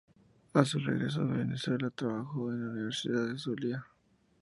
A su regreso a Venezuela, trabajó en la Universidad de Zulia.